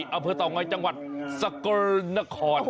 เอาเป็นเผื่อเต่าง้อยจังหวัดสกรนคร